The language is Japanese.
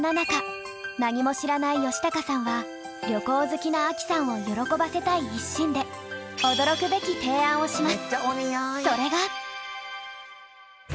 そんな中旅行好きなアキさんを喜ばせたい一心で驚くべき提案をします。